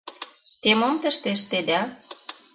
— Те мом тыште ыштеда?